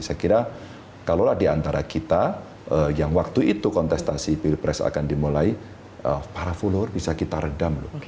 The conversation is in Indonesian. saya kira kalau lah diantara kita yang waktu itu kontestasi pilpres akan dimulai para follower bisa kita redam loh